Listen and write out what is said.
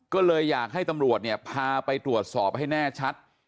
ก็เลยอยากให้ตำรวจเนี่ยพาไปตรวจสอบให้แน่ชัด